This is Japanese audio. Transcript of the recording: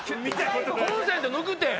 コンセント抜くて！